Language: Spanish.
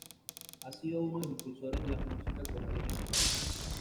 Ha sido uno de los impulsores de la música coral en ese país.